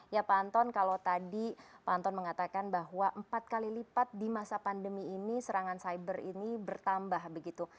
ya pak anton kalau tadi pak anton mengatakan bahwa empat kali lipat di masa pandemi ini serangan cyber ini bertambah begitu